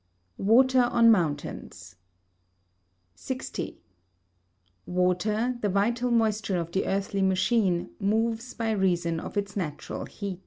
[Sidenote: Water on Mountains] 60. Water, the vital moisture of the earthly machine, moves by reason of its natural heat.